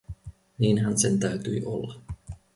Niinhän sen täytyi olla!